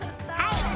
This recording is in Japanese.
はい！